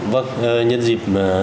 vâng nhân dịp